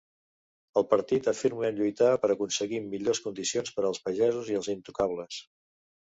El partit afirma lluitar per aconseguir millors condicions per als pagesos i els intocables.